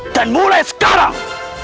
dan mulai sekarang